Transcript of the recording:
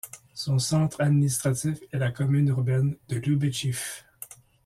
Son centre administratif est la commune urbaine de Lioubechiv.